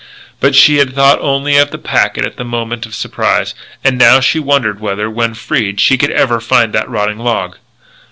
But she had thought only of the packet at the moment of surprise. And now she wondered whether, when freed, she could ever again find that rotting log.